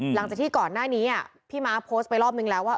หลังจากที่ก่อนหน้านี้พี่ม้าโพสต์ไปรอบนึงแล้วว่า